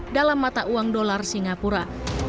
dalam mata uang dolar singapura